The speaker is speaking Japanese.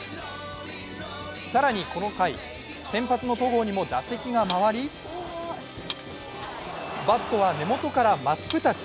更に、この回、先発の戸郷にも打席が回り、バットは根元から真っ二つ。